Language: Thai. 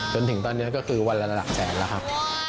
จนถึงตอนนี้ก็คือวันละระดับแสนแล้วครับ